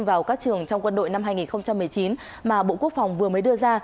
vào các trường trong quân đội năm hai nghìn một mươi chín mà bộ quốc phòng vừa mới đưa ra